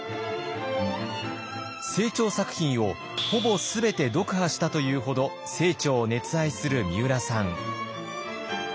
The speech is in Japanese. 清張作品をほぼ全て読破したというほど清張を熱愛するみうらさん。